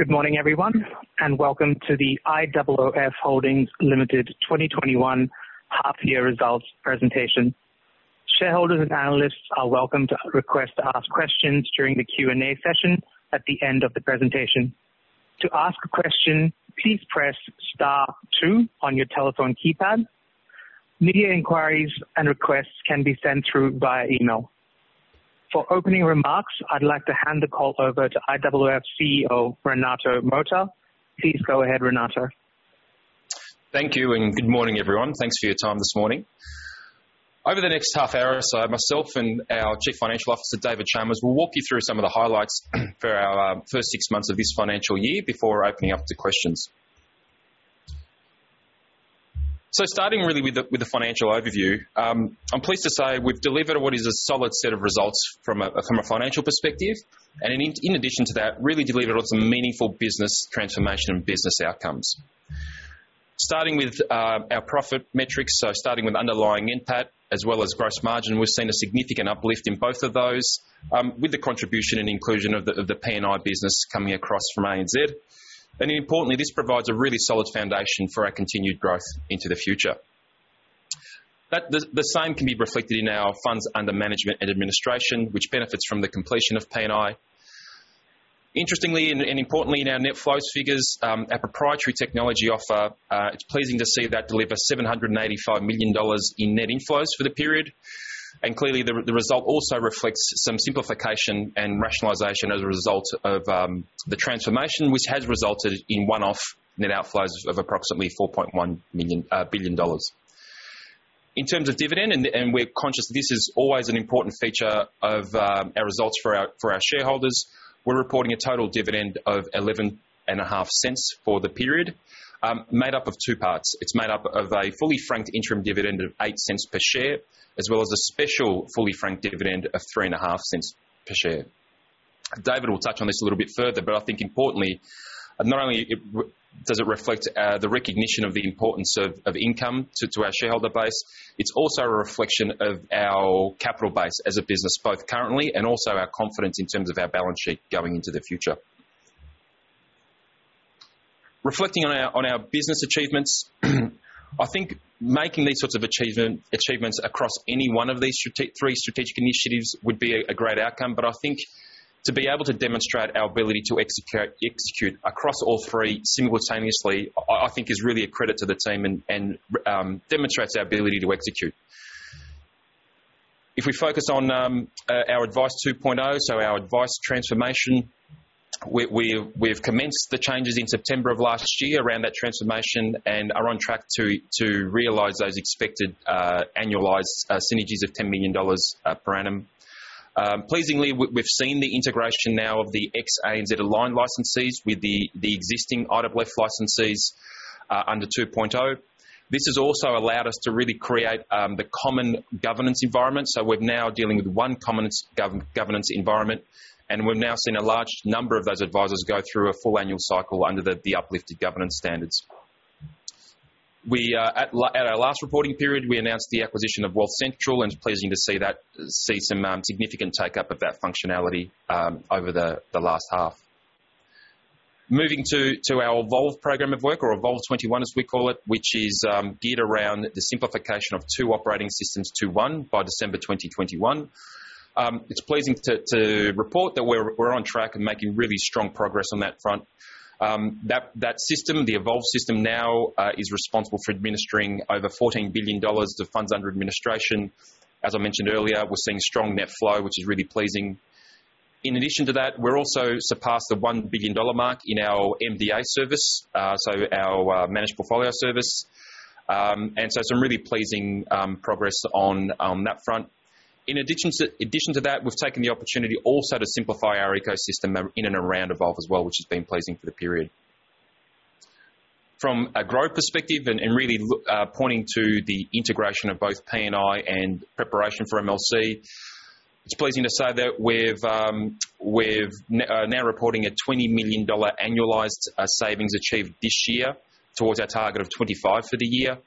Good morning, everyone, and welcome to the IOOF Holdings Ltd 2021 half year results presentation. Shareholders and analysts are welcome to request to ask questions during the Q&A session at the end of the presentation. To ask a question, please press star two on your telephone keypad. Media inquiries and requests can be sent through via email. For opening remarks, I'd like to hand the call over to IOOF CEO, Renato Mota. Please go ahead, Renato. Thank you. Good morning, everyone. Thanks for your time this morning. Over the next half hour or so, myself and our Chief Financial Officer, David Chalmers, will walk you through some of the highlights for our first six months of this financial year before opening up to questions. Starting really with the financial overview, I'm pleased to say we've delivered what is a solid set of results from a financial perspective, and in addition to that, really delivered on some meaningful business transformation and business outcomes. Starting with our profit metrics, so starting with underlying NPAT as well as gross margin, we've seen a significant uplift in both of those, with the contribution and inclusion of the P&I business coming across from ANZ. Importantly, this provides a really solid foundation for our continued growth into the future. The same can be reflected in our funds under management and administration, which benefits from the completion of P&I. Interestingly and importantly in our net flows figures, our proprietary technology offer, it's pleasing to see that deliver 785 million dollars in net inflows for the period. Clearly the result also reflects some simplification and rationalization as a result of the transformation which has resulted in one-off net outflows of approximately 4.1 billion dollars. In terms of dividend, and we're conscious this is always an important feature of our results for our shareholders. We're reporting a total dividend of 0.115 for the period, made up of two parts. It's made up of a fully franked interim dividend of 0.08 per share, as well as a special fully franked dividend of 0.035 per share. David will touch on this a little bit further, I think importantly, not only does it reflect the recognition of the importance of income to our shareholder base, it's also a reflection of our capital base as a business, both currently and also our confidence in terms of our balance sheet going into the future. Reflecting on our business achievements, I think making these sorts of achievements across any one of these three strategic initiatives would be a great outcome. I think to be able to demonstrate our ability to execute across all three simultaneously, I think is really a credit to the team and demonstrates our ability to execute. If we focus on our Advice 2.0, so our advice transformation, we've commenced the changes in September of last year around that transformation and are on track to realize those expected annualized synergies of 10 million dollars per annum. Pleasingly, we've seen the integration now of the ex-ANZ aligned licensees with the existing IOOF licensees under 2.0. This has also allowed us to really create the common governance environment. We're now dealing with one common governance environment, and we've now seen a large number of those advisors go through a full annual cycle under the uplifted governance standards. At our last reporting period, we announced the acquisition of Wealth Central, and it's pleasing to see some significant take-up of that functionality over the last half. Moving to our Evolve program of work or Evolve21, as we call it, which is geared around the simplification of two operating systems to one by December 2021. It's pleasing to report that we're on track and making really strong progress on that front. That system, the Evolve system now, is responsible for administering over 14 billion dollars of funds under administration. As I mentioned earlier, we're seeing strong net flow, which is really pleasing. In addition to that, we're also surpassed the 1 billion dollar mark in our MDA service, so our Managed Portfolio Service. Some really pleasing progress on that front. In addition to that, we've taken the opportunity also to simplify our ecosystem in and around Evolve as well, which has been pleasing for the period. From a growth perspective and really pointing to the integration of both P&I and preparation for MLC, it's pleasing to say that we're now reporting a 20 million dollar annualized savings achieved this year towards our target of 25 million for the year.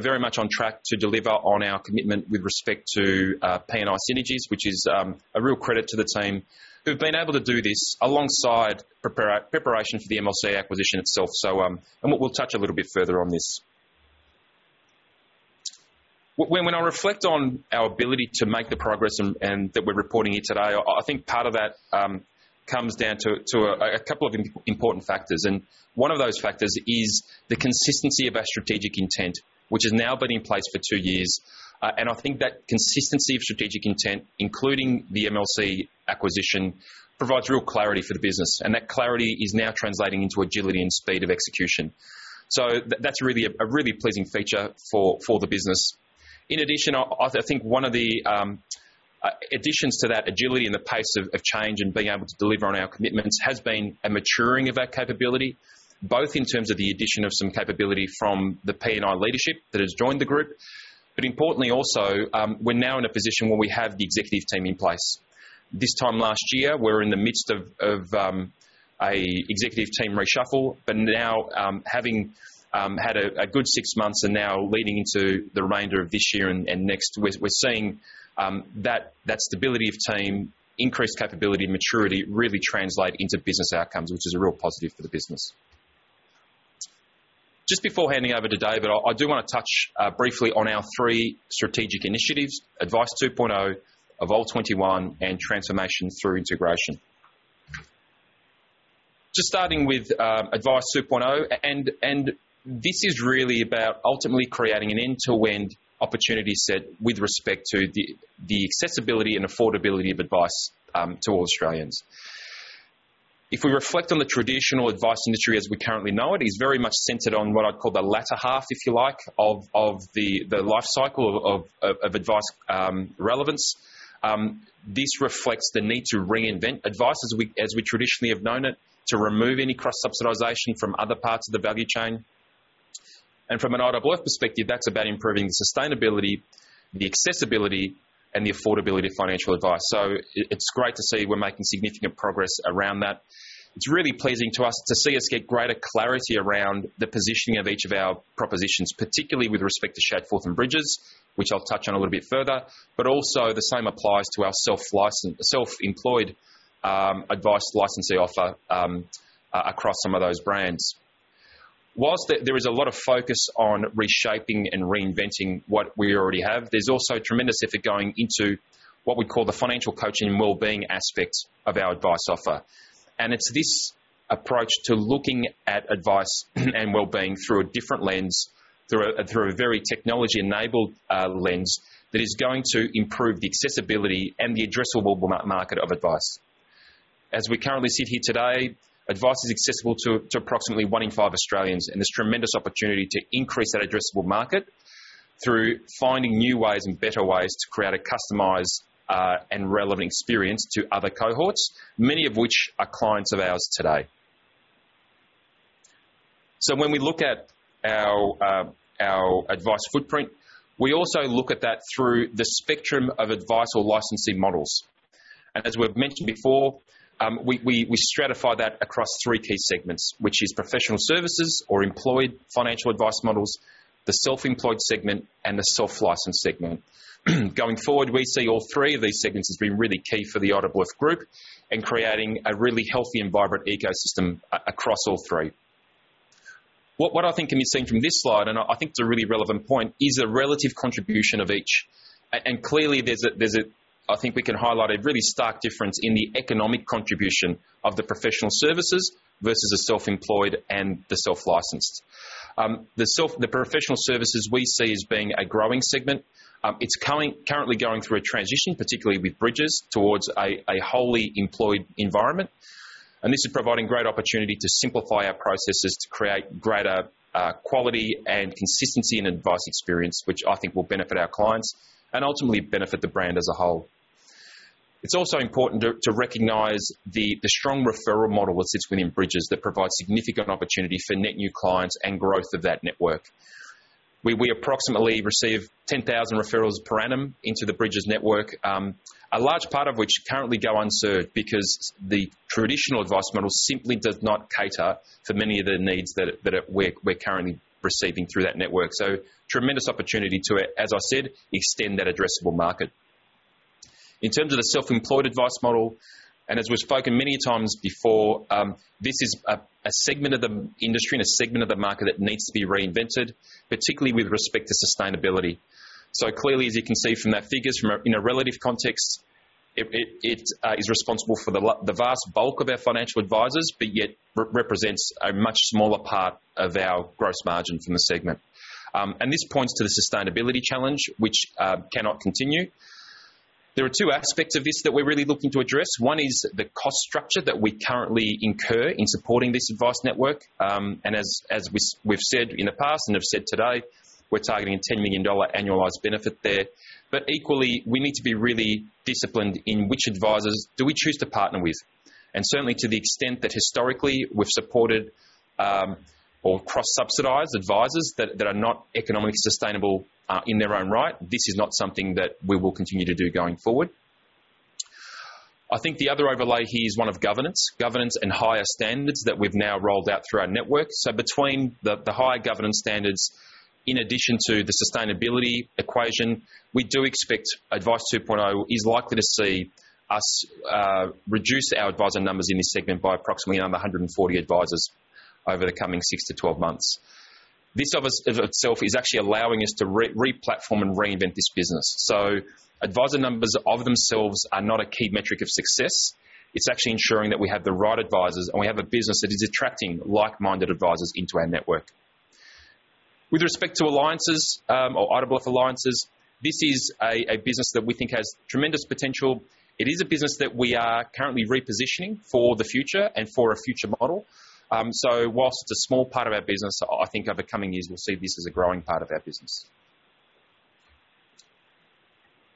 Very much on track to deliver on our commitment with respect to P&I synergies, which is a real credit to the team who've been able to do this alongside preparation for the MLC acquisition itself. We'll touch a little bit further on this. When I reflect on our ability to make the progress and that we're reporting it today, I think part of that comes down to a couple of important factors. One of those factors is the consistency of our strategic intent, which has now been in place for two years. I think that consistency of strategic intent, including the MLC acquisition, provides real clarity for the business, and that clarity is now translating into agility and speed of execution. That's a really pleasing feature for the business. In addition, I think one of the additions to that agility and the pace of change and being able to deliver on our commitments has been a maturing of our capability, both in terms of the addition of some capability from the P&I leadership that has joined the group. Importantly also, we're now in a position where we have the executive team in place. This time last year, we were in the midst of an executive team reshuffle, but now having had a good six months and now leading into the remainder of this year and next, we're seeing that stability of team, increased capability, maturity, really translate into business outcomes, which is a real positive for the business. Just before handing over to David, I do want to touch briefly on our three strategic initiatives: Advice 2.0, Evolve21, and transformation through integration. Just starting with Advice 2.0, this is really about ultimately creating an end-to-end opportunity set with respect to the accessibility and affordability of advice to all Australians. If we reflect on the traditional advice industry as we currently know it is very much centered on what I'd call the latter half, if you like, of the life cycle of advice relevance. This reflects the need to reinvent advice as we traditionally have known it, to remove any cross-subsidization from other parts of the value chain. From an IOOF perspective, that's about improving the sustainability, the accessibility, and the affordability of financial advice. It's great to see we're making significant progress around that. It's really pleasing to us to see us get greater clarity around the positioning of each of our propositions, particularly with respect to Shadforth and Bridges, which I'll touch on a little bit further. Also the same applies to our self-employed advice licensee offer across some of those brands. Whilst there is a lot of focus on reshaping and reinventing what we already have, there's also tremendous effort going into what we call the financial coaching and wellbeing aspects of our advice offer. It's this approach to looking at advice and wellbeing through a different lens, through a very technology-enabled lens, that is going to improve the accessibility and the addressable market of advice. As we currently sit here today, advice is accessible to approximately one in five Australians, and there's tremendous opportunity to increase that addressable market through finding new ways and better ways to create a customized and relevant experience to other cohorts, many of which are clients of ours today. When we look at our advice footprint, we also look at that through the spectrum of advice or licensee models. As we've mentioned before, we stratify that across three key segments which is Professional Services or Employed Financial Advice models, the Self-Employed segment, and the Self-Licensed segment. Going forward, we see all three of these segments as being really key for the IOOF group in creating a really healthy and vibrant ecosystem across all three. What I think can be seen from this slide, and I think it's a really relevant point, is the relative contribution of each. Clearly, I think we can highlight a really stark difference in the economic contribution of the Professional Services versus the Self-employed and the Self-licensed. The Professional Services we see as being a growing segment. It's currently going through a transition, particularly with Bridges, towards a wholly employed environment. This is providing great opportunity to simplify our processes to create greater quality and consistency in advice experience, which I think will benefit our clients and ultimately benefit the brand as a whole. It's also important to recognize the strong referral model that sits within Bridges that provides significant opportunity for net new clients and growth of that network. We approximately receive 10,000 referrals per annum into the Bridges network, a large part of which currently go unserved because the traditional advice model simply does not cater to many of the needs that we're currently receiving through that network. Tremendous opportunity to, as I said, extend that addressable market. In terms of the Self-Employed Advice model, and as we've spoken many times before, this is a segment of the industry and a segment of the market that needs to be reinvented, particularly with respect to sustainability. Clearly, as you can see from that figures from a relative context, it is responsible for the vast bulk of our financial advisers, but yet represents a much smaller part of our gross margin from the segment. This points to the sustainability challenge, which cannot continue. There are two aspects of this that we're really looking to address. One is the cost structure that we currently incur in supporting this advice network. As we've said in the past and have said today, we're targeting an 10 million dollar annualized benefit there. Equally, we need to be really disciplined in which advisers do we choose to partner with. Certainly to the extent that historically we've supported or cross-subsidized advisers that are not economically sustainable in their own right. This is not something that we will continue to do going forward. I think the other overlay here is one of governance and higher standards that we've now rolled out through our network. Between the higher governance standards, in addition to the sustainability equation, we do expect Advice 2.0 is likely to see us reduce our adviser numbers in this segment by approximately 140 advisers over the coming 6-12 months. This of itself is actually allowing us to re-platform and reinvent this business. Adviser numbers of themselves are not a key metric of success. It's actually ensuring that we have the right advisers and we have a business that is attracting like-minded advisers into our network. With respect to alliances or IOOF Alliances, this is a business that we think has tremendous potential. It is a business that we are currently repositioning for the future and for a future model. Whilst it's a small part of our business, I think over coming years we'll see this as a growing part of our business.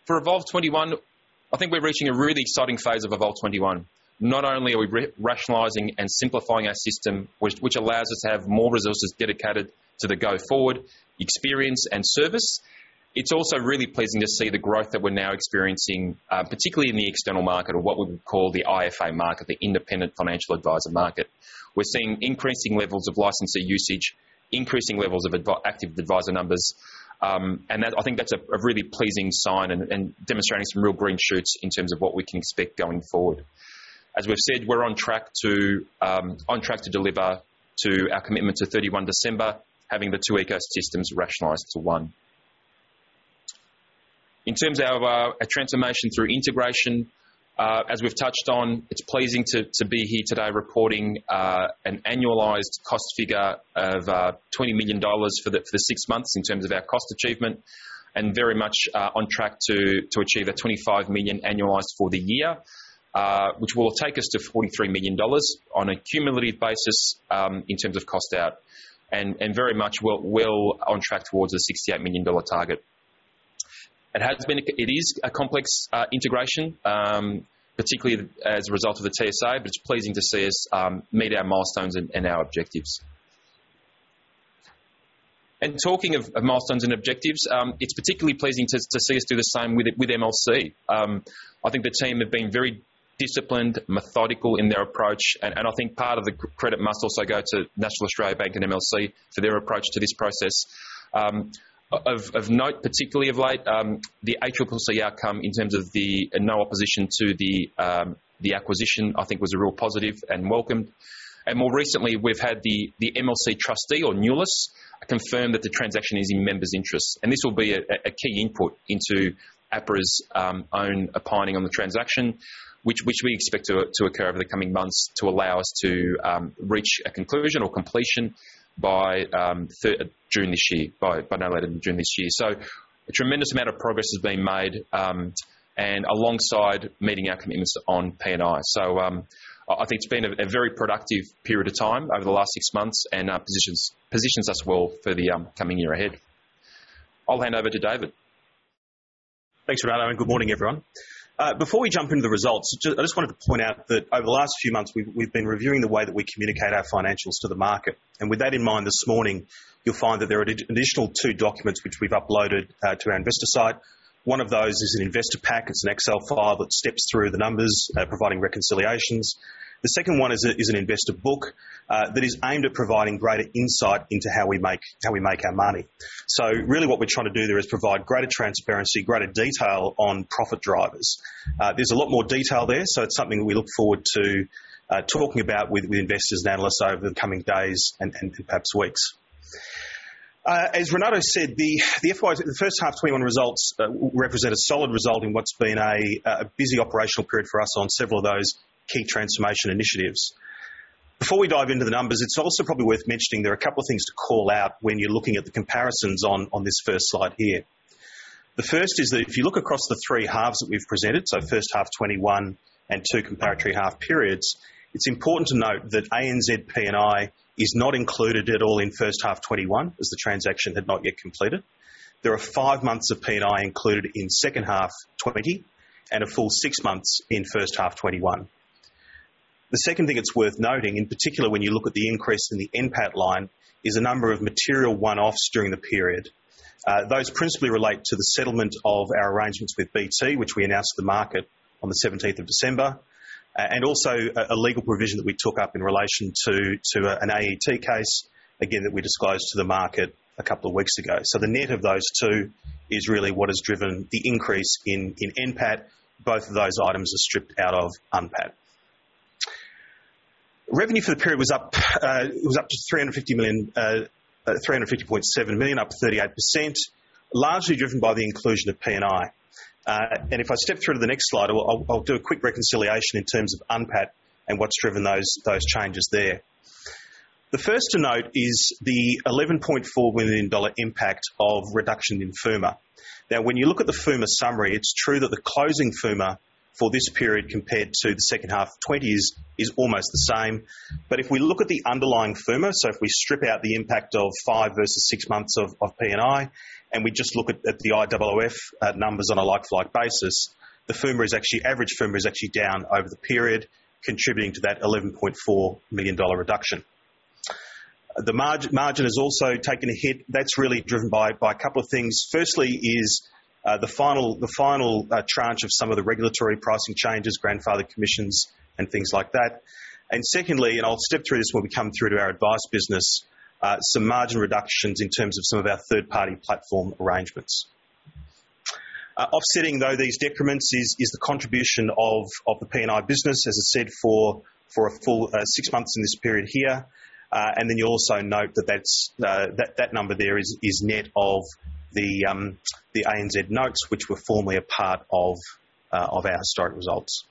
For Evolve21, I think we're reaching a really exciting phase of Evolve21. Not only are we rationalizing and simplifying our system, which allows us to have more resources dedicated to the go forward experience and service, it's also really pleasing to see the growth that we're now experiencing, particularly in the external market or what we would call the IFA market, the Independent Financial Adviser market. We're seeing increasing levels of licensee usage, increasing levels of active adviser numbers. I think that's a really pleasing sign and demonstrating some real green shoots in terms of what we can expect going forward. As we've said, we're on track to deliver to our commitment to 31 December, having the two ecosystems rationalized to one. In terms of our transformation through integration, as we've touched on, it's pleasing to be here today reporting an annualized cost figure of 20 million dollars for the six months in terms of our cost achievement, and very much on track to achieve a 25 million annualized for the year, which will take us to 43 million dollars on a cumulative basis, in terms of cost out, and very much well on track towards a 68 million dollar target. It is a complex integration, particularly as a result of the TSA, but it's pleasing to see us meet our milestones and our objectives. Talking of milestones and objectives, it's particularly pleasing to see us do the same with MLC. I think the team have been very disciplined, methodical in their approach, I think part of the credit must also go to National Australia Bank and MLC for their approach to this process. Of note, particularly of late, the ACCC outcome in terms of the no opposition to the acquisition, I think was a real positive and welcomed. More recently, we've had the MLC trustee, or NULIS, confirm that the transaction is in members' interests. This will be a key input into APRA's own opining on the transaction, which we expect to occur over the coming months to allow us to reach a conclusion or completion by no later than during this year. A tremendous amount of progress has been made, and alongside meeting our commitments on P&I. I think it's been a very productive period of time over the last six months and positions us well for the coming year ahead. I'll hand over to David. Thanks, Renato. Good morning, everyone. Before we jump into the results, I just wanted to point out that over the last few months we've been reviewing the way that we communicate our financials to the market. With that in mind, this morning, you'll find that there are an additional two documents which we've uploaded to our investor site. One of those is an investor pack. It's an Excel file that steps through the numbers, providing reconciliations. The second one is an investor book that is aimed at providing greater insight into how we make our money. Really what we're trying to do there is provide greater transparency, greater detail on profit drivers. There's a lot more detail there, so it's something we look forward to talking about with investors and analysts over the coming days and perhaps weeks. As Renato said, the first half 2021 results represent a solid result in what's been a busy operational period for us on several of those key transformation initiatives. Before we dive into the numbers, it's also probably worth mentioning there are a couple of things to call out when you're looking at the comparisons on this first slide here. The first is that if you look across the three halves that we've presented, so first half 2021 and two comparative half periods, it's important to note that ANZ P&I is not included at all in first half 2021, as the transaction had not yet completed. There are five months of P&I included in second half 2020 and a full six months in first half 2021. The second thing that's worth noting, in particular when you look at the increase in the NPAT line, is a number of material one-offs during the period. Those principally relate to the settlement of our arrangements with BT, which we announced to the market on the 17th of December, and also a legal provision that we took up in relation to an AET case, again, that we disclosed to the market a couple of weeks ago. The net of those two is really what has driven the increase in NPAT. Both of those items are stripped out of UNPAT. Revenue for the period was up to 350.7 million, up 38%, largely driven by the inclusion of P&I. If I step through to the next slide, I'll do a quick reconciliation in terms of UNPAT and what's driven those changes there. The first to note is the 11.4 million dollar impact of reduction in FUMA. When you look at the FUMA summary, it's true that the closing FUMA for this period compared to the second half of 2020 is almost the same. If we look at the underlying FUMA, if we strip out the impact of five versus six months of P&I, we just look at the IOOF numbers on a like-to-like basis, the average FUMA is actually down over the period, contributing to that 11.4 million dollar reduction. The margin has also taken a hit. That's really driven by a couple of things. Firstly is the final tranche of some of the regulatory pricing changes, grandfathered commissions and things like that. Secondly, I'll step through this when we come through to our advice business, some margin reductions in terms of some of our third-party platform arrangements. Offsetting, though, these decrements is the contribution of the P&I business, as I said, for a full six months in this period here. You'll also note that number there is net of the ANZ notes, which were formerly a part of our historic results.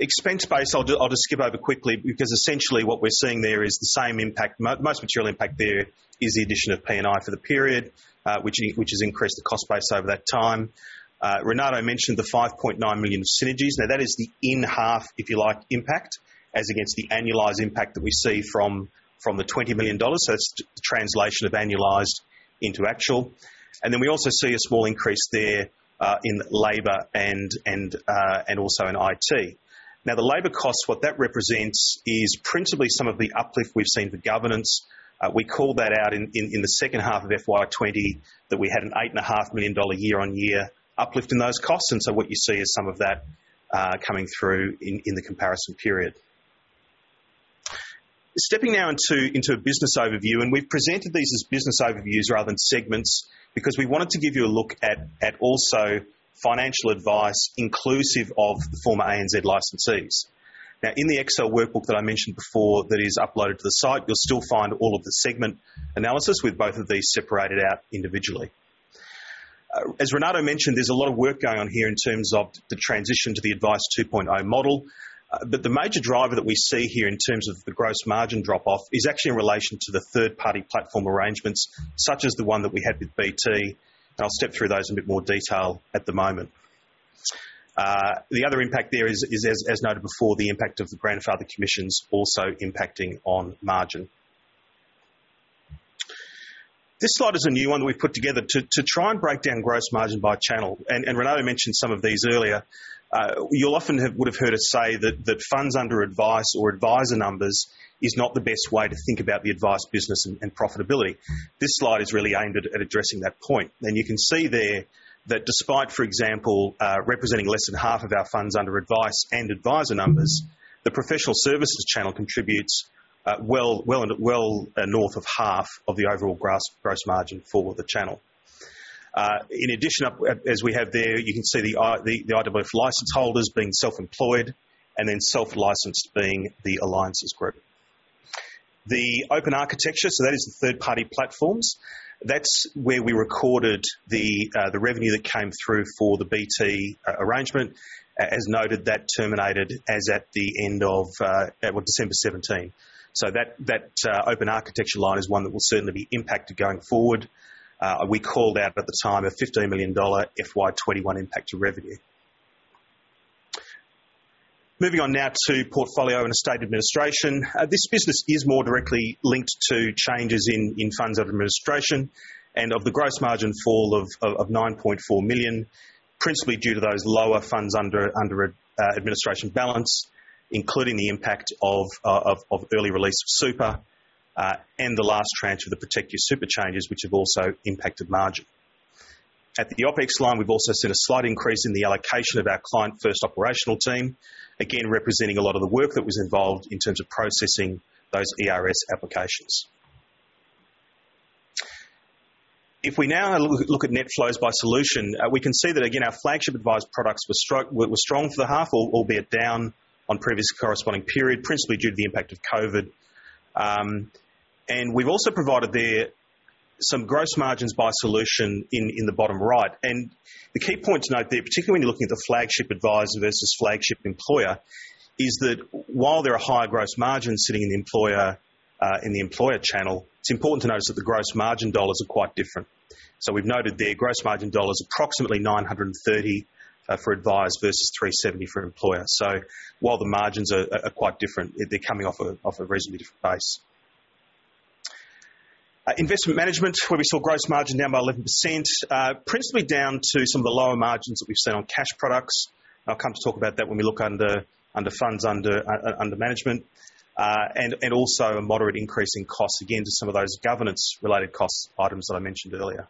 Expense base, I'll just skip over quickly because essentially what we're seeing there is the same impact. Most material impact there is the addition of P&I for the period, which has increased the cost base over that time. Renato mentioned the 5.9 million synergies. That is the in-half, if you like, impact as against the annualized impact that we see from the 20 million dollars. It's the translation of annualized into actual. We also see a small increase there in labor and also in IT. The labor cost, what that represents is principally some of the uplift we've seen for governance. We called that out in the second half of FY 2020 that we had an 8.5 million dollar year-on-year uplift in those costs, what you see is some of that coming through in the comparison period. Stepping now into a business overview, we've presented these as business overviews rather than segments because we wanted to give you a look at also Financial Advice inclusive of the former ANZ Licensees. In the Excel workbook that I mentioned before that is uploaded to the site, you'll still find all of the segment analysis with both of these separated out individually. As Renato mentioned, there's a lot of work going on here in terms of the transition to the Advice 2.0 model. The major driver that we see here in terms of the gross margin drop-off is actually in relation to the third-party platform arrangements, such as the one that we had with BT, and I'll step through those in a bit more detail at the moment. The other impact there is, as noted before, the impact of the grandfathered commissions also impacting on margin. This slide is a new one we've put together to try and break down gross margin by channel, and Renato mentioned some of these earlier. You often would have heard us say that funds under advice or adviser numbers is not the best way to think about the advice business and profitability. This slide is really aimed at addressing that point. You can see there that despite, for example, representing less than half of our funds under advice and advisor numbers, the professional services channel contributes well north of half of the overall gross margin for the channel. In addition, as we have there, you can see the IOOF license holders being self-employed, and then self-licensed being the Alliances group. The open architecture, so that is the third-party platforms. That is where we recorded the revenue that came through for the BT arrangement. As noted, that terminated as at the end of December 2017. That open architecture line is one that will certainly be impacted going forward. We called out at the time a 15 million dollar FY 2021 impact to revenue. Moving on now to Portfolio and Estate Administration. This business is more directly linked to changes in funds under administration and of the gross margin fall of 9.4 million, principally due to those lower funds under administration balance, including the impact of early release of super, and the last tranche of the protective super changes which have also impacted margin. At the OpEx line, we've also seen a slight increase in the allocation of our client first operational team, again, representing a lot of the work that was involved in terms of processing those ERS applications. If we now look at net flows by solution, we can see that again, our flagship advice products were strong for the half, albeit down on previous corresponding period, principally due to the impact of COVID. We've also provided there some gross margins by solution in the bottom right. The key point to note there, particularly when you're looking at the flagship adviser versus flagship employer, is that while there are higher gross margins sitting in the employer channel, it's important to note that the gross margin dollars are quite different. We've noted there gross margin dollars approximately 930 for advice versus 370 for employer. While the margins are quite different, they're coming off a reasonably different base. Investment management, where we saw gross margin down by 11%, principally down to some of the lower margins that we've seen on cash products. I'll come to talk about that when we look under management. Also a moderate increase in costs, again, to some of those governance-related costs items that I mentioned earlier.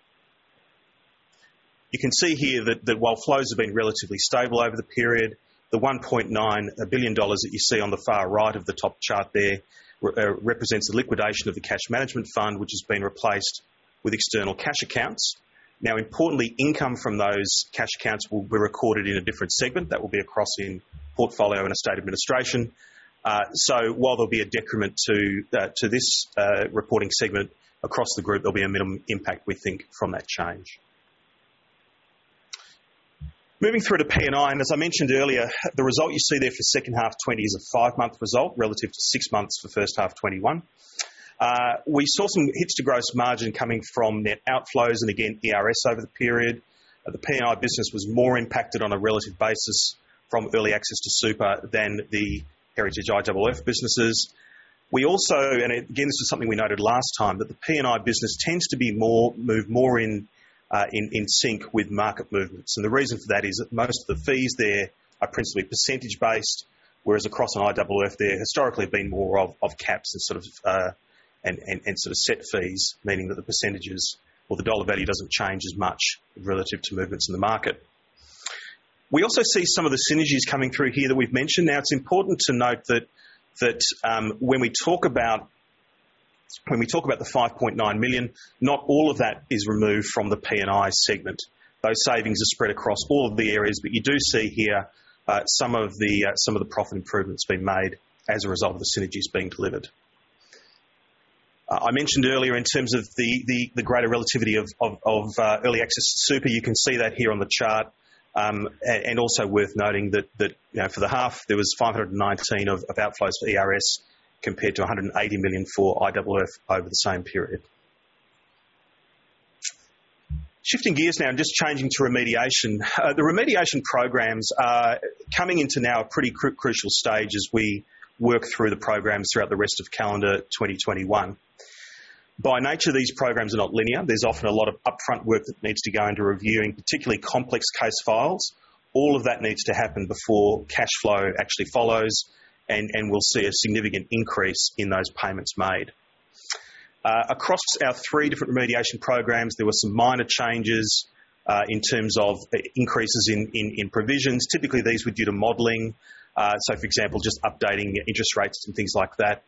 You can see here that while flows have been relatively stable over the period, the 1.9 billion dollars that you see on the far right of the top chart there represents the liquidation of the cash management fund, which has been replaced with external cash accounts. Importantly, income from those cash accounts will be recorded in a different segment. That will be across in Portfolio and Estate Administration. While there will be a decrement to this reporting segment across the group, there will be a minimum impact, we think, from that change. Moving through to P&I, as I mentioned earlier, the result you see there for second half 2020 is a five-month result relative to six months for first half 2021. We saw some hits to gross margin coming from net outflows and again, ERS over the period. The P&I business was more impacted on a relative basis from early access to super than the Heritage IOOF businesses. We also, again, this is something we noted last time, but the P&I business tends to move more in sync with market movements. The reason for that is that most of the fees there are principally percentage based, whereas across an IOOF, there historically have been more of caps and sort of set fees, meaning that the percentages or the dollar value doesn't change as much relative to movements in the market. We also see some of the synergies coming through here that we've mentioned. Now, it's important to note that when we talk about the 5.9 million, not all of that is removed from the P&I segment. Those savings are spread across all of the areas, but you do see here some of the profit improvements being made as a result of the synergies being delivered. I mentioned earlier in terms of the greater relativity of early access to super. You can see that here on the chart. Also worth noting that for the half, there was 519 million of outflows to ERS compared to 180 million for IOOF over the same period. Shifting gears now and just changing to remediation. The remediation programs are coming into now a pretty crucial stage as we work through the programs throughout the rest of calendar 2021. By nature, these programs are not linear. There's often a lot of upfront work that needs to go into reviewing particularly complex case files. All of that needs to happen before cash flow actually follows, and we'll see a significant increase in those payments made. Across our three different remediation programs, there were some minor changes in terms of increases in provisions. Typically, these were due to modeling. For example, just updating interest rates and things like that.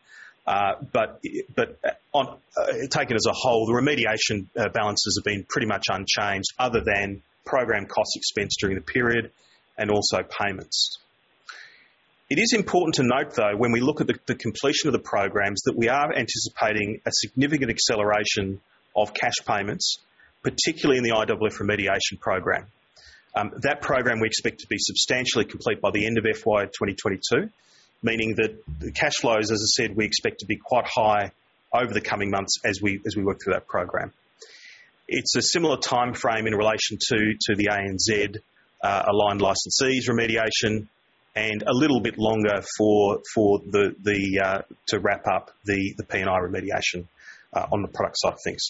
Taken as a whole, the remediation balances have been pretty much unchanged other than program cost expense during the period, and also payments. It is important to note, though, when we look at the completion of the programs, that we are anticipating a significant acceleration of cash payments, particularly in the IOOF remediation program. That program we expect to be substantially complete by the end of FY 2022, meaning that the cash flows, as I said, we expect to be quite high over the coming months as we work through that program. It's a similar timeframe in relation to the ANZ aligned licensees remediation and a little bit longer to wrap up the P&I remediation on the product side of things.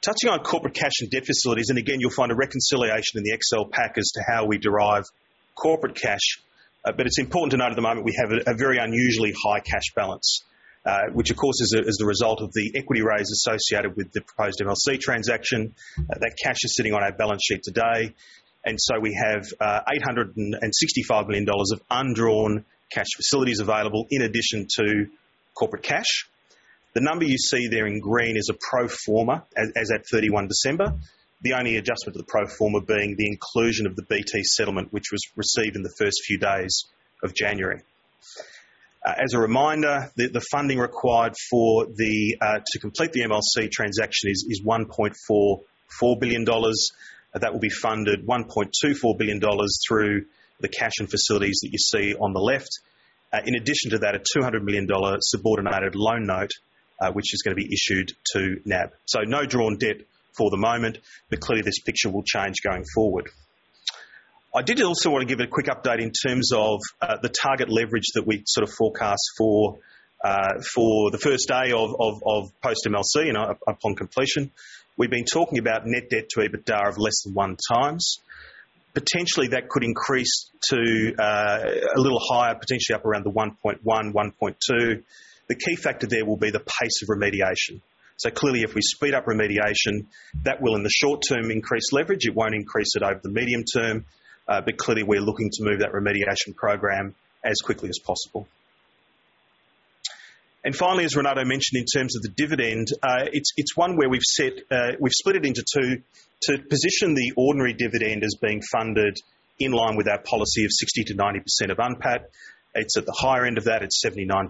Touching on corporate cash and debt facilities, you'll find a reconciliation in the Excel pack as to how we derive corporate cash. It's important to note at the moment we have a very unusually high cash balance, which of course is a result of the equity raise associated with the proposed MLC transaction. That cash is sitting on our balance sheet today, and so we have 865 million dollars of undrawn cash facilities available in addition to corporate cash. The number you see there in green is a pro forma as at 31 December. The only adjustment to the pro forma being the inclusion of the BT settlement, which was received in the first few days of January. As a reminder, the funding required to complete the MLC transaction is 1.44 billion dollars. That will be funded 1.24 billion dollars through the cash and facilities that you see on the left. In addition to that, a 200 million dollar subordinated loan note, which is going to be issued to NAB. No drawn debt for the moment, but clearly this picture will change going forward. I did also want to give a quick update in terms of the target leverage that we forecast for the first day of post MLC and upon completion. We've been talking about net debt to EBITDA of less than 1.0x. Potentially that could increase to a little higher, potentially up around the 1.1x, 1.2x. The key factor there will be the pace of remediation. Clearly, if we speed up remediation, that will, in the short term, increase leverage. It won't increase it over the medium term. Clearly, we're looking to move that remediation program as quickly as possible. Finally, as Renato mentioned in terms of the dividend, it's one where we've split it into two to position the ordinary dividend as being funded in line with our policy of 60%-90% of UNPAT. It's at the higher end of that at 79%.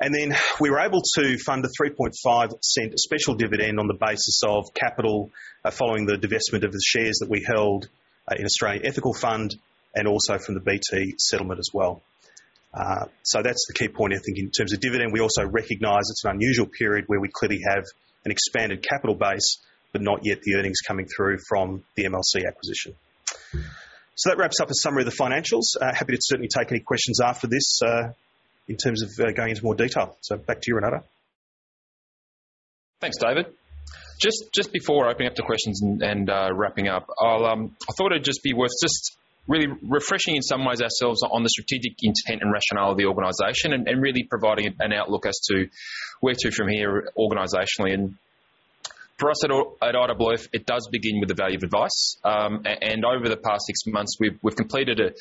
Then we were able to fund a 0.035 special dividend on the basis of capital following the divestment of the shares that we held in Australian Ethical Investment, also from the BT settlement as well. That's the key point, I think, in terms of dividend. We also recognize it's an unusual period where we clearly have an expanded capital base, but not yet the earnings coming through from the MLC acquisition. That wraps up a summary of the financials. Happy to certainly take any questions after this in terms of going into more detail. Back to you, Renato. Thanks, David. Just before opening up to questions and wrapping up, I thought it'd just be worth just really refreshing in some ways ourselves on the strategic intent and rationale of the organization and really providing an outlook as to where to from here organizationally. For us at IOOF, it does begin with the value of advice. Over the past six months, we've completed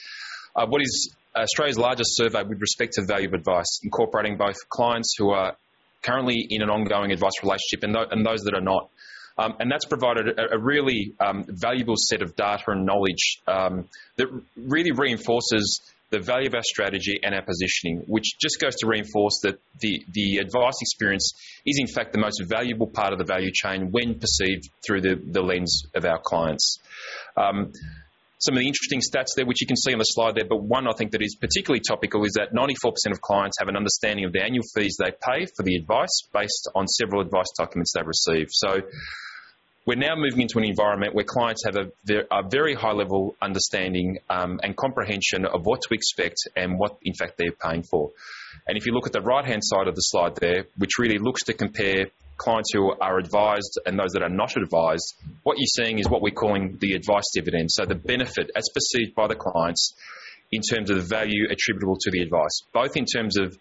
what is Australia's largest survey with respect to value of advice, incorporating both clients who are currently in an ongoing advice relationship and those that are not. That's provided a really valuable set of data and knowledge that really reinforces the value of our strategy and our positioning, which just goes to reinforce that the advice experience is in fact the most valuable part of the value chain when perceived through the lens of our clients. Some of the interesting stats there, which you can see on the slide there, but one I think that is particularly topical is that 94% of clients have an understanding of the annual fees they pay for the advice based on several advice documents they've received. We're now moving into an environment where clients have a very high level understanding and comprehension of what to expect and what in fact they're paying for. If you look at the right-hand side of the slide there, which really looks to compare clients who are advised and those that are not advised, what you're seeing is what we're calling the advice dividend. The benefit as perceived by the clients in terms of the value attributable to the advice, both in terms of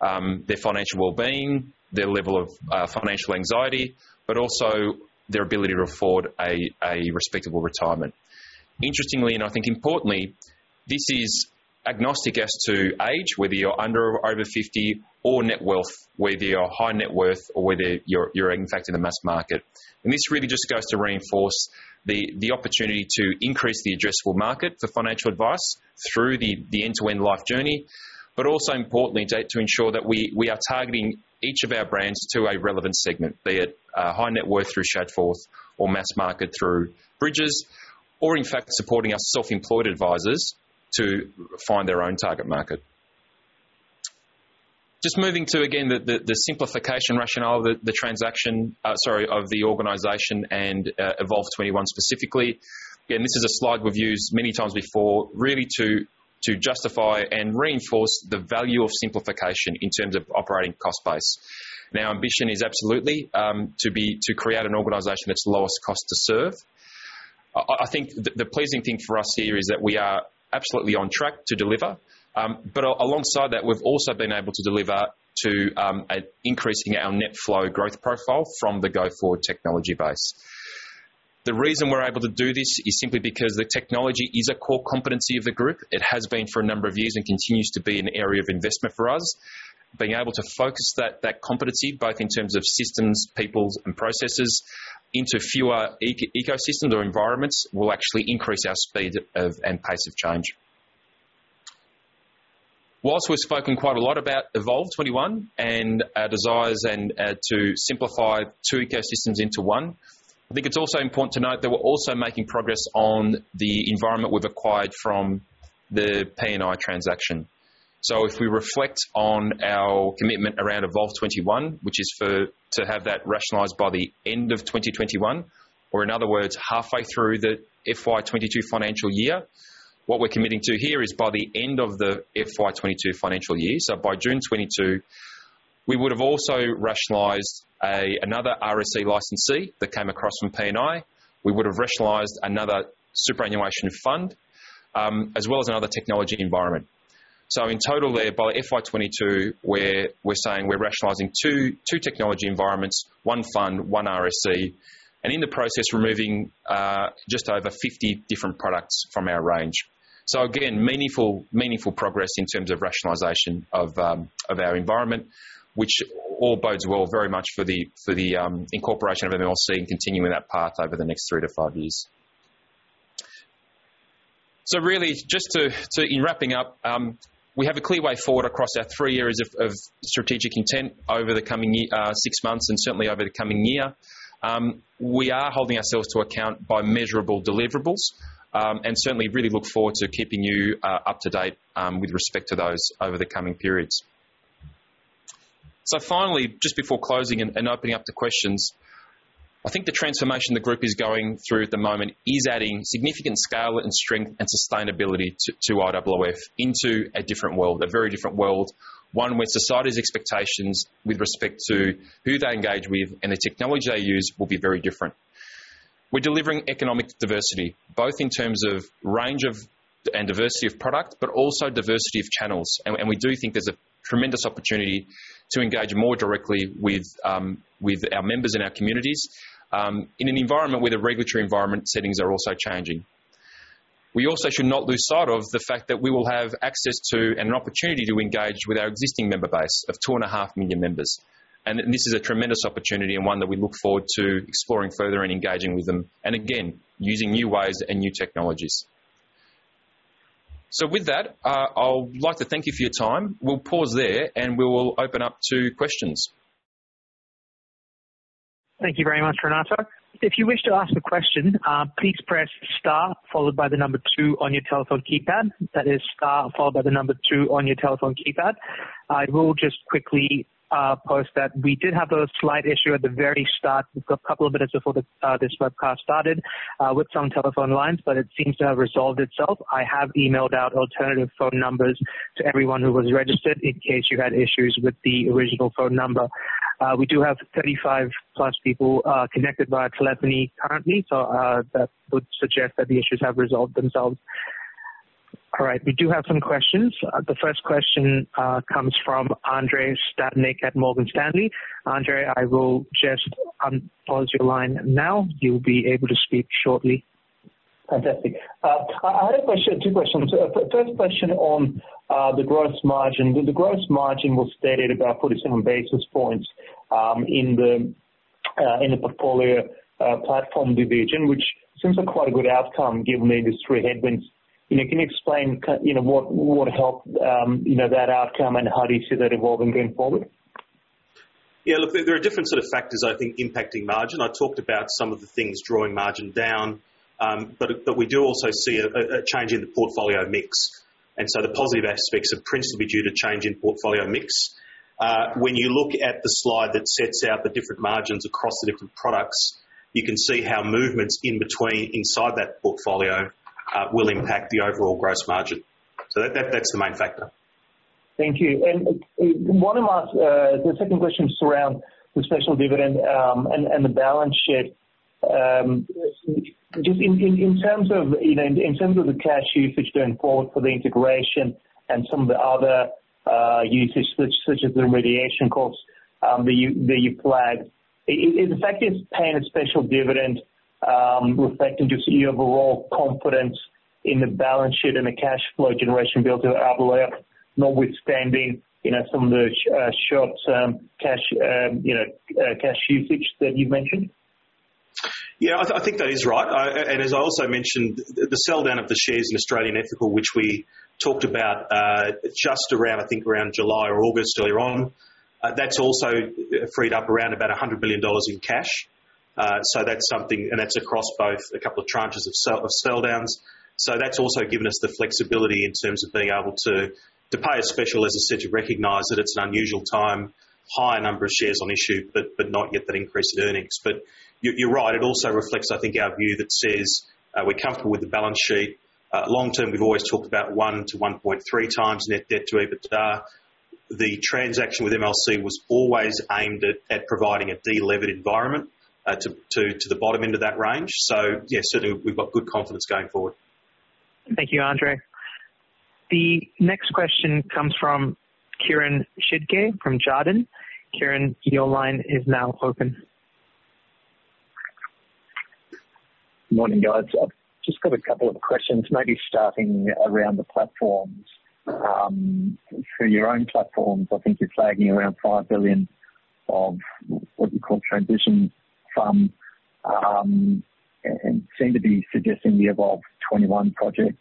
their financial wellbeing, their level of financial anxiety, but also their ability to afford a respectable retirement. Interestingly, I think importantly, this is agnostic as to age, whether you're under or over 50 or net wealth, whether you're high net worth or whether you're in fact in the mass market. This really just goes to reinforce the opportunity to increase the addressable market for financial advice through the end-to-end life journey, but also importantly, to ensure that we are targeting each of our brands to a relevant segment, be it high net worth through Shadforth or mass market through Bridges, or in fact supporting our self-employed advisors to find their own target market. Just moving to, again, the simplification rationale of the organization and Evolve21 specifically. Again, this is a slide we've used many times before, really to justify and reinforce the value of simplification in terms of operating cost base. Ambition is absolutely to create an organization that's lowest cost to serve. I think the pleasing thing for us here is that we are absolutely on track to deliver. Alongside that, we've also been able to deliver to increasing our net flow growth profile from the go-forward technology base. The reason we're able to do this is simply because the technology is a core competency of the group. It has been for a number of years and continues to be an area of investment for us. Being able to focus that competency, both in terms of systems, people, and processes into fewer ecosystems or environments, will actually increase our speed and pace of change. While we've spoken quite a lot about Evolve21 and our desires and to simplify two ecosystems into one, I think it's also important to note that we're also making progress on the environment we've acquired from the P&I transaction. If we reflect on our commitment around Evolve21, which is to have that rationalized by the end of 2021, or in other words, halfway through the FY 2022 financial year. What we're committing to here is by the end of the FY 2022 financial year, so by June 2022, we would have also rationalized another RSE licensee that came across from P&I. We would have rationalized another superannuation fund, as well as another technology environment. In total there, by FY 2022, we're saying we're rationalizing two technology environments, one fund, one RSE, and in the process, removing just over 50 different products from our range. Again, meaningful progress in terms of rationalization of our environment, which all bodes well very much for the incorporation of MLC and continuing that path over the next three to five years. Really, just in wrapping up, we have a clear way forward across our three areas of strategic intent over the coming six months and certainly over the coming year. We are holding ourselves to account by measurable deliverables, and certainly really look forward to keeping you up to date with respect to those over the coming periods. Finally, just before closing and opening up to questions, I think the transformation the group is going through at the moment is adding significant scale and strength and sustainability to IOOF into a different world, a very different world, one where society's expectations with respect to who they engage with and the technology they use will be very different. We're delivering economic diversity, both in terms of range and diversity of product, but also diversity of channels. We do think there's a tremendous opportunity to engage more directly with our members and our communities, in an environment where the regulatory environment settings are also changing. We also should not lose sight of the fact that we will have access to and an opportunity to engage with our existing member base of 2.5 million members. This is a tremendous opportunity and one that we look forward to exploring further and engaging with them, and again, using new ways and new technologies. With that, I'd like to thank you for your time. We will pause there, and we will open up to questions. Thank you very much, Renato. If you wish to ask a question, please press star followed by the number two on your telephone keypad. That is star followed by the number two on your telephone keypad. I will just quickly post that we did have a slight issue at the very start. We've got a couple of minutes before this webcast started with some telephone lines. It seems to have resolved itself. I have emailed out alternative phone numbers to everyone who was registered in case you had issues with the original phone number. We do have 35+ people connected via telephony currently. That would suggest that the issues have resolved themselves. All right. We do have some questions. The first question comes from Andrei Stadnik at Morgan Stanley. Andrei, I will just unpause your line now. You'll be able to speak shortly. Fantastic. I had a question, two questions. First question on the gross margin. The gross margin was stated about 47 basis points in the portfolio platform division, which seems a quite a good outcome given these three headwinds. Can you explain what helped that outcome and how do you see that evolving going forward? Yeah, look, there are different sort of factors, I think, impacting margin. I talked about some of the things drawing margin down. We do also see a change in the portfolio mix. The positive aspects are principally due to change in portfolio mix. When you look at the slide that sets out the different margins across the different products, you can see how movements in between inside that portfolio will impact the overall gross margin. That's the main factor. Thank you. The second question surrounds the special dividend and the balance sheet. Just in terms of the cash usage going forward for the integration and some of the other usage, such as the remediation costs that you flagged. Is the fact it's paying a special dividend reflecting just your overall confidence in the balance sheet and the cash flow generation build of IOOF, notwithstanding some of the short cash usage that you mentioned? Yeah. I think that is right. As I also mentioned, the sell down of the shares in Australian Ethical, which we talked about, just around, I think, around July or August earlier on, that's also freed up around about 100 million dollars in cash. That's something, and that's across both a couple of tranches of sell downs. That's also given us the flexibility in terms of being able to pay a special, as I said, to recognize that it's an unusual time, high number of shares on issue, but not yet that increase in earnings. You're right, it also reflects, I think, our view that says we're comfortable with the balance sheet. Long-term, we've always talked about 1.0x to 1.3x net debt to EBITDA. The transaction with MLC was always aimed at providing a de-levered environment to the bottom end of that range. Yeah, certainly, we've got good confidence going forward. Thank you, Andrei. The next question comes from Kieren Chidgey from Jarden. Kieren, your line is now open. Morning, guys. I've just got a couple of questions, maybe starting around the platforms. For your own platforms, I think you're flagging around 5 billion of what you call transition from, and seem to be suggesting the Evolve21 project.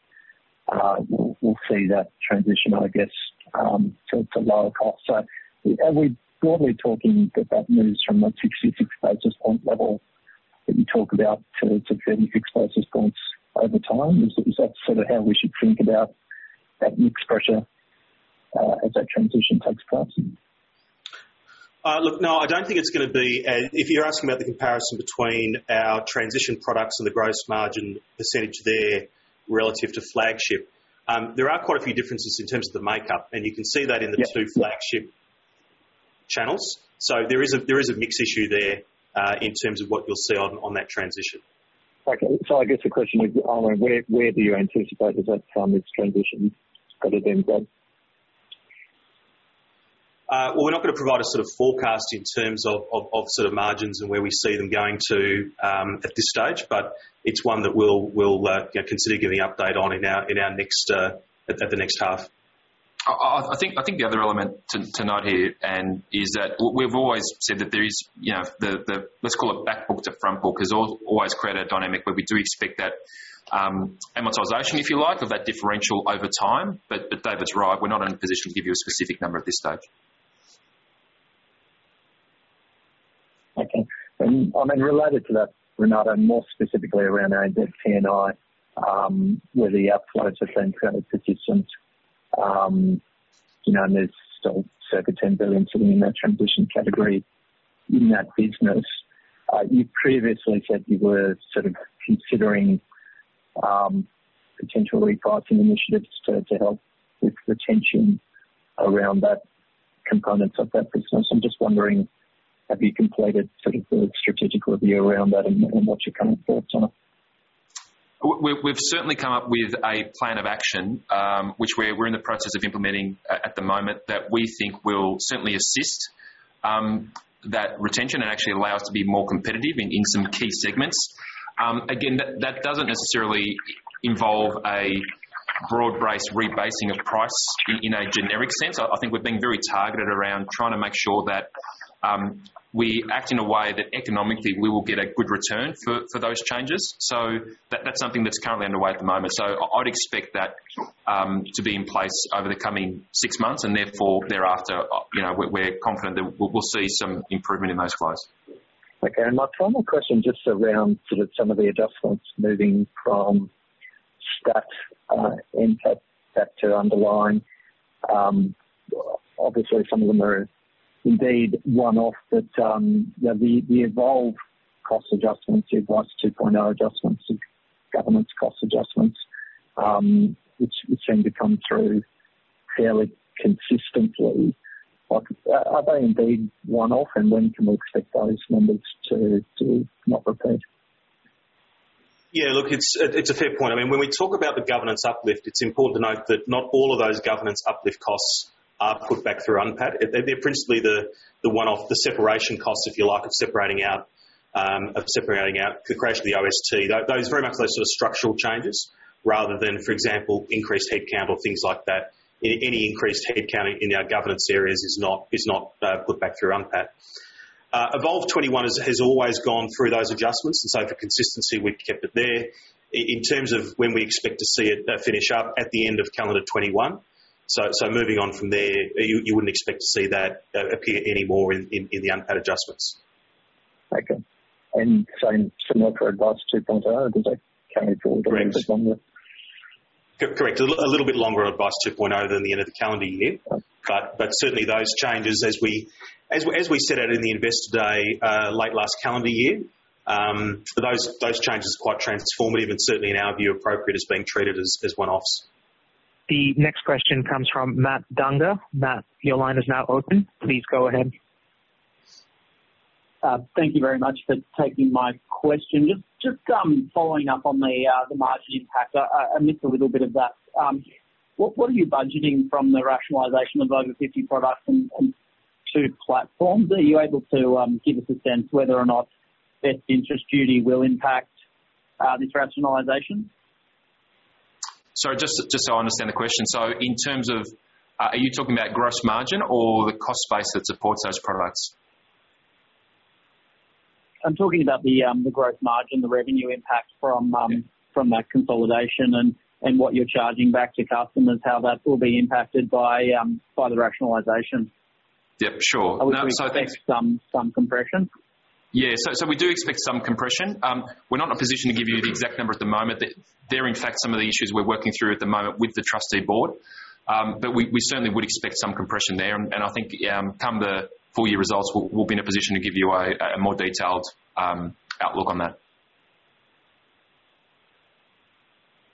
We'll see that transition, I guess, to lower cost. Are we broadly talking that moves from a 66 basis point level that you talk about to 36 basis points over time? Is that how we should think about that mix pressure as that transition takes place? Look, no, I don't think it's going to be If you're asking about the comparison between our transition products and the gross margin percentage there relative to flagship. There are quite a few differences in terms of the makeup, and you can see that in the two-. Yeah. Flagship channels. There is a mix issue there, in terms of what you'll see on that transition. Okay. I guess the question is, where do you anticipate that that mix transition could have been then? Well, we're not going to provide a sort of forecast in terms of sort of margins and where we see them going to, at this stage, but it's one that we'll consider giving update on at the next half. I think the other element to note here, is that we've always said that there is the let's call it back book to front book, has always created a dynamic where we do expect that amortization, if you like, of that differential over time. David's right, we're not in a position to give you a specific number at this stage. Okay. Related to that, Renato, more specifically around ANZ P&I, where the outliers are seen credit positions, and there's still circa 10 billion sitting in that transition category in that business. You previously said you were sort of considering potential repricing initiatives to help with retention around that component of that business. I'm just wondering, have you completed sort of the strategic review around that and what you're coming forward on it? We've certainly come up with a plan of action, which we're in the process of implementing at the moment that we think will certainly assist that retention and actually allow us to be more competitive in some key segments. That doesn't necessarily involve a broad-based rebasing of price in a generic sense. I think we're being very targeted around trying to make sure that we act in a way that economically we will get a good return for those changes. That's something that's currently underway at the moment. I'd expect that to be in place over the coming six months and thereafter, we're confident that we'll see some improvement in those flows. Okay. My final question, just around sort of some of the adjustments moving from stat impact back to underlying. Obviously, some of them are indeed one-off, the Evolve cost adjustments, Advice 2.0 adjustments to governance cost adjustments, which seem to come through fairly consistently. Are they indeed one-off, when can we expect those numbers to not repeat? It's a fair point. When we talk about the governance uplift, it's important to note that not all of those governance uplift costs are put back through UNPAT. They're principally the one-off, the separation costs, if you like, of separating out the creation of the OST. Those very much are sort of structural changes rather than, for example, increased headcount or things like that. Any increased headcount in our governance areas is not put back through UNPAT. Evolve21 has always gone through those adjustments. For consistency, we've kept it there. In terms of when we expect to see it finish up, at the end of calendar 2021. Moving on from there, you wouldn't expect to see that appear anymore in the UNPAT adjustments. Okay. Same similar for Advice 2.0, because that carried forward a bit longer. Correct. A little bit longer Advice 2.0 than the end of the calendar year. Okay. Certainly those changes as we set out in the Investor Day, late last calendar year, those changes are quite transformative and certainly in our view, appropriate as being treated as one-offs. The next question comes from Matt Dunger. Matt, your line is now open. Please go ahead. Thank you very much for taking my question. Just following up on the margin impact. I missed a little bit of that. What are you budgeting from the rationalization of over 50 products on two platforms? Are you able to give us a sense whether or not best interest duty will impact this rationalization? Sorry, just so I understand the question. In terms of, are you talking about gross margin or the cost base that supports those products? I'm talking about the gross margin, the revenue impact from that consolidation and what you're charging back to customers, how that will be impacted by the rationalization. Yeah, sure. I would expect some compression. We do expect some compression. We're not in a position to give you the exact number at the moment. They're in fact some of the issues we're working through at the moment with the trustee board. We certainly would expect some compression there, and I think come the full year results, we'll be in a position to give you a more detailed outlook on that.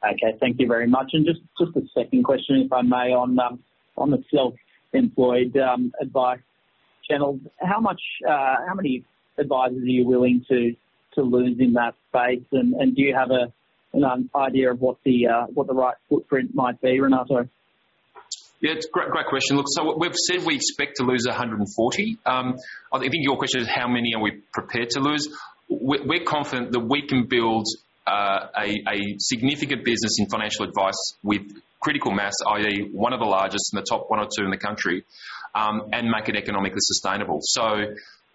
Okay, thank you very much. Just a second question, if I may, on the Self-employed Advice channel, how many advisors are you willing to lose in that space? Do you have an idea of what the right footprint might be, Renato? Yeah, it's a great question. Look, we've said we expect to lose 140. I think your question is how many are we prepared to lose? We're confident that we can build a significant business in financial advice with critical mass, i.e., one of the largest in the top one or two in the country, and make it economically sustainable.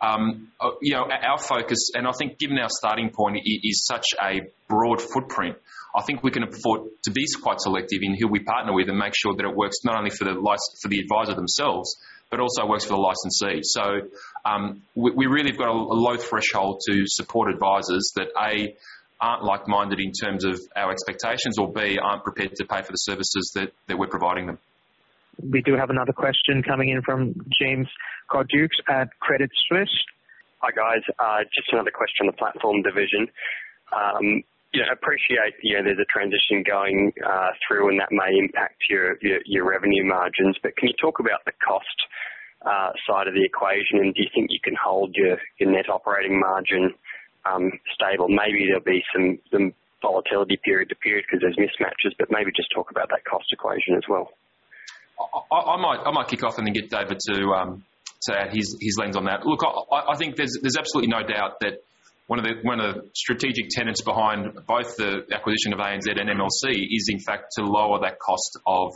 Our focus, and I think given our starting point is such a broad footprint, I think we can afford to be quite selective in who we partner with and make sure that it works not only for the advisor themselves, but also works for the licensee. We really have got a low threshold to support advisors that, A, aren't like-minded in terms of our expectations or, B, aren't prepared to pay for the services that we're providing them. We do have another question coming in from James Cordukes at Credit Suisse. Hi, guys. Just another question on the platform division. I appreciate there's a transition going through and that may impact your revenue margins, but can you talk about the cost side of the equation? Do you think you can hold your net operating margin stable? Maybe there'll be some volatility period to period because there's mismatches, but maybe just talk about that cost equation as well. I might kick off and then get David to add his lens on that. Look, I think there's absolutely no doubt that one of the strategic tenets behind both the acquisition of ANZ and MLC is in fact to lower that cost of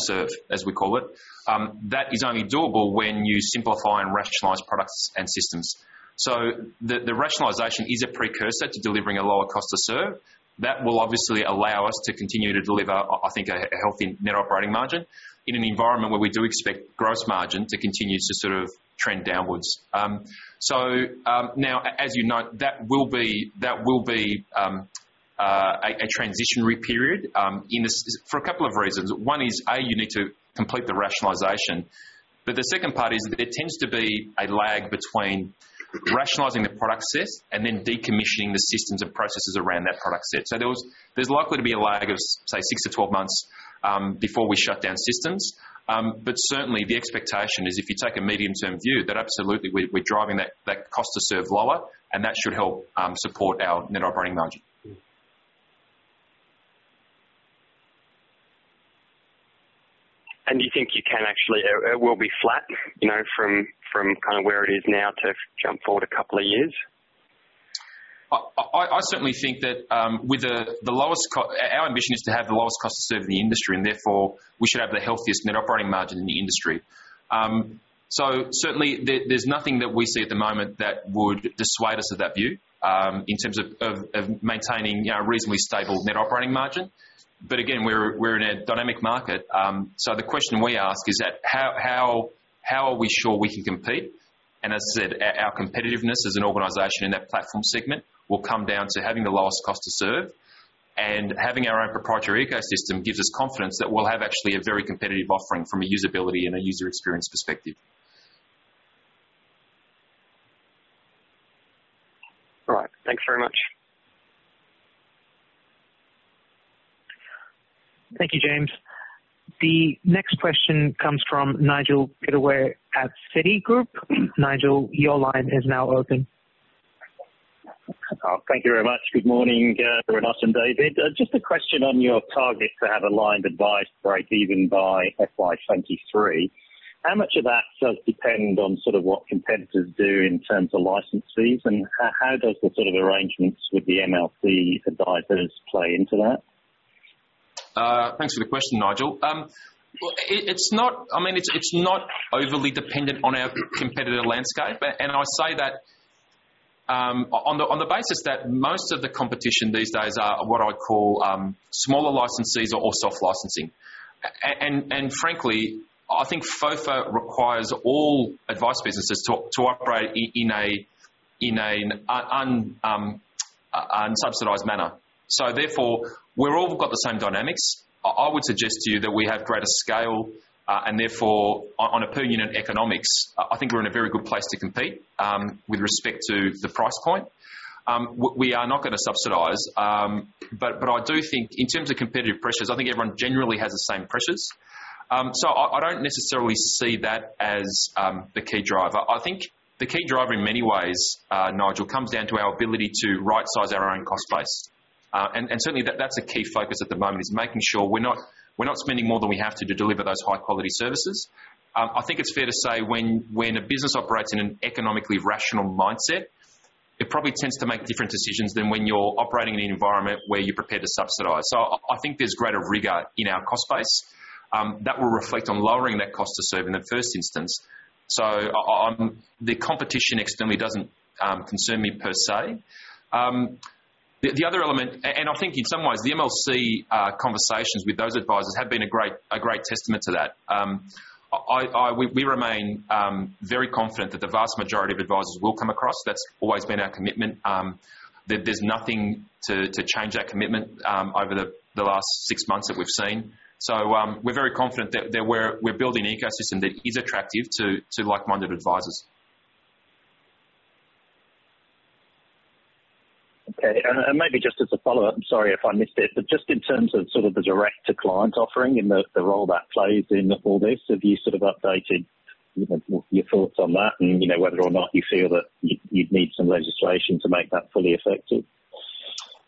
serve, as we call it. That is only doable when you simplify and rationalize products and systems. The rationalization is a precursor to delivering a lower cost to serve. That will obviously allow us to continue to deliver, I think, a healthy net operating margin in an environment where we do expect gross margin to continue to sort of trend downwards. Now, as you note, that will be a transitionary period for a couple of reasons. One is, A, you need to complete the rationalization. The second part is there tends to be a lag between rationalizing the product set and then decommissioning the systems and processes around that product set. There's likely to be a lag of, say, 6-12 months, before we shut down systems. Certainly, the expectation is if you take a medium-term view, that absolutely we're driving that cost to serve lower, and that should help support our net operating margin. It will be flat from kind of where it is now to jump forward a couple of years? I certainly think that our ambition is to have the lowest cost to serve in the industry, and therefore, we should have the healthiest net operating margin in the industry. Certainly, there's nothing that we see at the moment that would dissuade us of that view, in terms of maintaining a reasonably stable net operating margin. Again, we're in a dynamic market, so the question we ask is that how are we sure we can compete? As I said, our competitiveness as an organization in that Platform segment will come down to having the lowest cost to serve. Having our own proprietary ecosystem gives us confidence that we'll have actually a very competitive offering from a usability and a user experience perspective. All right. Thanks very much. Thank you, James. The next question comes from Nigel Pittaway at Citigroup. Nigel, your line is now open. Thank you very much. Good morning, Renato and David. Just a question on your target to have aligned advice break even by FY 2023. How much of that does depend on what competitors do in terms of licensees? How does the arrangements with the MLC advisors play into that? Thanks for the question, Nigel. It's not overly dependent on our competitive landscape. I say that on the basis that most of the competition these days are what I'd call smaller licensees or soft licensing. Frankly, I think FOFA requires all advice businesses to operate in an unsubsidized manner. Therefore, we've all got the same dynamics. I would suggest to you that we have greater scale, and therefore, on a per unit economics, I think we're in a very good place to compete, with respect to the price point. We are not going to subsidize. I do think in terms of competitive pressures, I think everyone generally has the same pressures. I don't necessarily see that as the key driver. I think the key driver in many ways, Nigel, comes down to our ability to right-size our own cost base. Certainly, that's a key focus at the moment is making sure we're not spending more than we have to deliver those high-quality services. I think it's fair to say when a business operates in an economically rational mindset, it probably tends to make different decisions than when you're operating in an environment where you're prepared to subsidize. I think there's greater rigor in our cost base that will reflect on lowering that cost to serve in the first instance. The competition externally doesn't concern me, per se. The other element, and I think in some ways, the MLC conversations with those advisors have been a great testament to that. We remain very confident that the vast majority of advisors will come across. That's always been our commitment. There's nothing to change that commitment over the last six months that we've seen. We're very confident that we're building an ecosystem that is attractive to like-minded advisors. Okay. Maybe just as a follow-up, I'm sorry if I missed it, but just in terms of sort of the direct-to-client offering and the role that plays in all this, have you sort of updated your thoughts on that and whether or not you feel that you'd need some legislation to make that fully effective?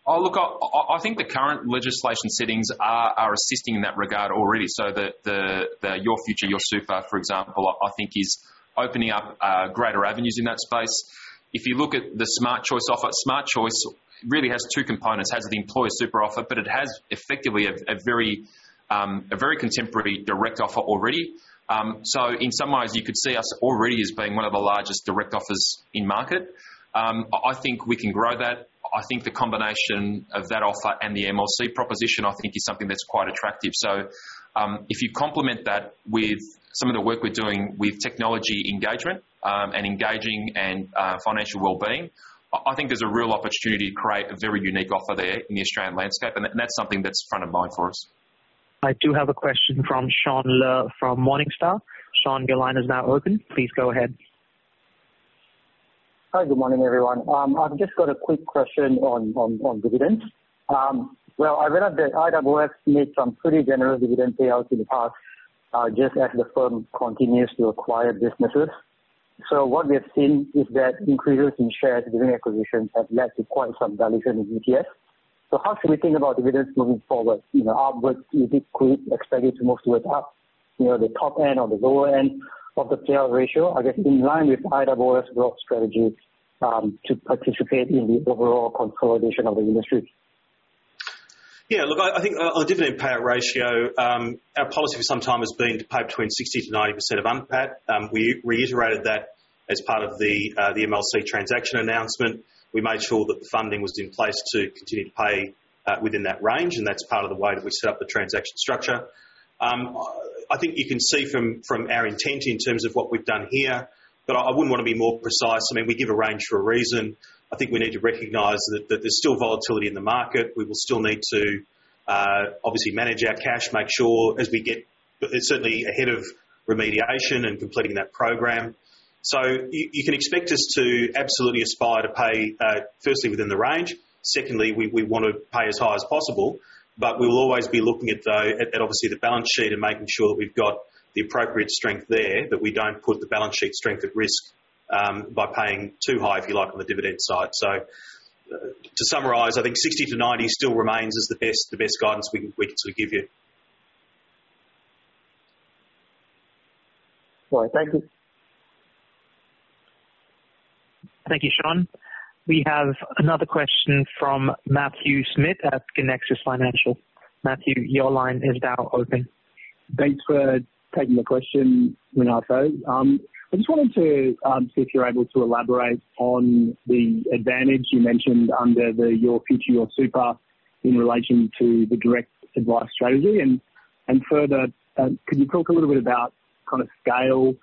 Look, I think the current legislation settings are assisting in that regard already. The Your Future, Your Super, for example, I think is opening up greater avenues in that space. If you look at the Smart Choice offer, Smart Choice really has two components. It has the employer super offer, but it has effectively a very contemporary direct offer already. In some ways, you could see us already as being one of the largest direct offers in market. I think we can grow that. I think the combination of that offer and the MLC proposition, I think is something that's quite attractive. If you complement that with some of the work we're doing with technology engagement, and engaging in financial wellbeing, I think there's a real opportunity to create a very unique offer there in the Australian landscape, and that's something that's front of mind for us. I do have a question from Shaun Ler from Morningstar. Shaun, your line is now open. Please go ahead. Hi. Good morning, everyone. I've just got a quick question on dividends. Well, I read that IOOF made some pretty generous dividend payouts in the past, just as the firm continues to acquire businesses. What we have seen is that increases in shares during acquisitions have led to quite some dilution in EPS. How should we think about dividends moving forward? You know, upwards, you did expect it to move towards the top end or the lower end of the payout ratio, I guess, in line with IOOF's growth strategy, to participate in the overall consolidation of the industry? Look, I think on the dividend payout ratio, our policy for some time has been to pay between 60%-90% of UNPAT. We reiterated that as part of the MLC transaction announcement. We made sure that the funding was in place to continue to pay within that range, and that's part of the way that we set up the transaction structure. I think you can see from our intent in terms of what we've done here, but I wouldn't want to be more precise. I mean, we give a range for a reason. I think we need to recognize that there's still volatility in the market. We will still need to obviously manage our cash, make sure as we get certainly ahead of remediation and completing that program. You can expect us to absolutely aspire to pay, firstly, within the range. Secondly, we want to pay as high as possible, but we will always be looking at obviously the balance sheet and making sure that we've got the appropriate strength there, that we don't put the balance sheet strength at risk by paying too high, if you like, on the dividend side. To summarize, I think 60%-90% still remains as the best guidance we can sort of give you. All right. Thank you. Thank you, Shaun. We have another question from Matthew Smith at Conexus Financial. Matthew, your line is now open. Thanks for taking the question, Renato. I just wanted to see if you're able to elaborate on the advantage you mentioned under the Your Future, Your Super in relation to the direct advice strategy. Further, could you talk a little bit about kind of scale,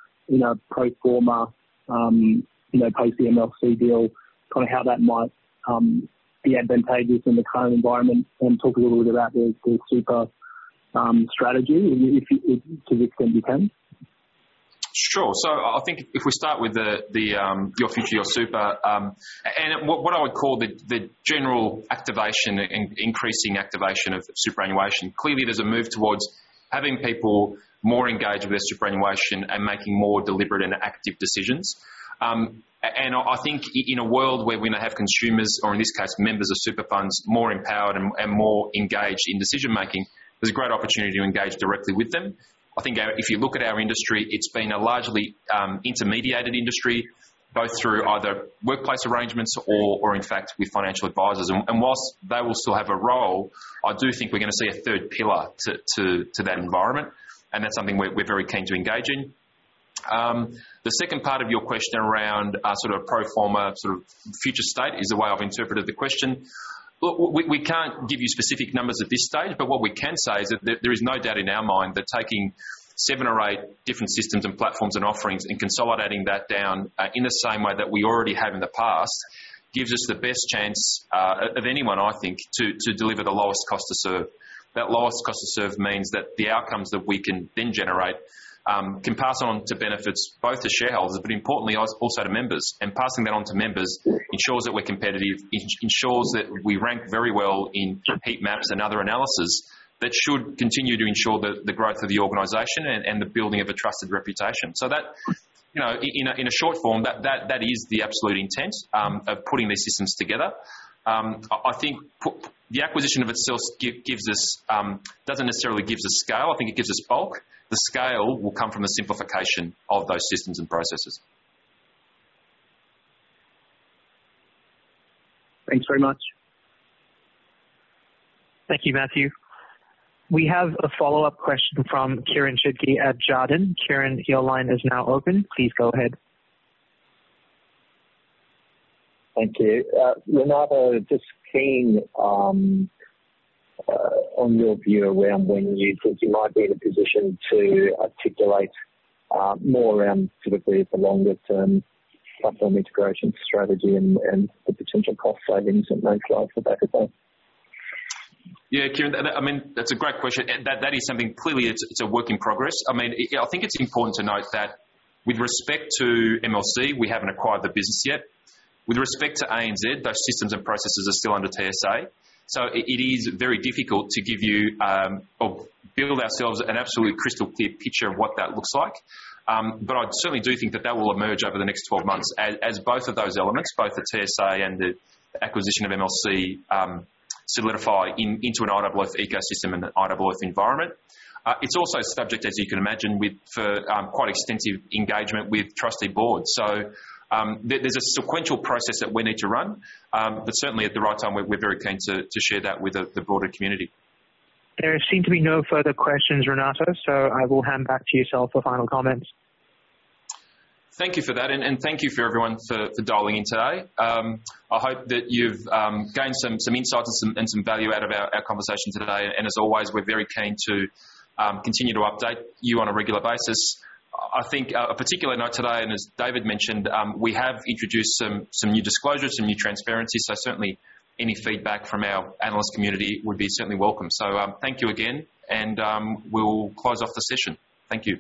pro forma, post the MLC deal, kind of how that might be advantageous in the current environment, and talk a little bit about the [scale] super strategy to the extent you can? Sure. I think if we start with the Your Future, Your Super, and what I would call the general activation, increasing activation of superannuation, clearly there's a move towards having people more engaged with their superannuation and making more deliberate and active decisions. I think in a world where we now have consumers, or in this case, members of super funds, more empowered and more engaged in decision-making, there's a great opportunity to engage directly with them. I think if you look at our industry, it's been a largely intermediated industry both through either workplace arrangements or in fact with financial advisors. Whilst they will still have a role, I do think we're going to see a third pillar to that environment, and that's something we're very keen to engage in. The second part of your question around sort of pro forma sort of future state is the way I've interpreted the question. Look, we can't give you specific numbers at this stage, but what we can say is that there is no doubt in our mind that taking seven or eight different systems and platforms and offerings and consolidating that down in the same way that we already have in the past gives us the best chance of anyone, I think, to deliver the lowest cost to serve. That lowest cost to serve means that the outcomes that we can then generate can pass on to benefits both to shareholders, but importantly also to members. Passing that on to members ensures that we're competitive, ensures that we rank very well in heat maps and other analysis that should continue to ensure the growth of the organization and the building of a trusted reputation. That in a short form, that is the absolute intent of putting these systems together. I think the acquisition of itself doesn't necessarily give us scale. I think it gives us bulk. The scale will come from a simplification of those systems and processes. Thanks very much. Thank you, Matthew. We have a follow-up question from Kieren Chidgey at Jarden. Kieren, your line is now open. Please go ahead. Thank you. Renato, just keen on your view around when you think you might be in a position to articulate more around specifically the longer-term platform integration strategy and the potential cost savings that may flow off the back of that. Yeah, Kieren, that's a great question. That is something clearly it's a work in progress. I think it's important to note that with respect to MLC, we haven't acquired the business yet. With respect to ANZ, those systems and processes are still under TSA. It is very difficult to give you or build ourselves an absolute crystal clear picture of what that looks like. I certainly do think that that will emerge over the next 12 months as both of those elements, both the TSA and the acquisition of MLC, solidify into an IOOF ecosystem and an IOOF environment. It's also subject, as you can imagine, for quite extensive engagement with trustee boards. There's a sequential process that we need to run. Certainly, at the right time, we're very keen to share that with the broader community. There seem to be no further questions, Renato, so I will hand back to yourself for final comments. Thank you for that. Thank you for everyone for dialing in today. I hope that you've gained some insights and some value out of our conversation today, and as always, we're very keen to continue to update you on a regular basis. I think a particular note today, and as David mentioned, we have introduced some new disclosures, some new transparency. Certainly any feedback from our analyst community would be certainly welcome. Thank you again. We'll close off the session. Thank you.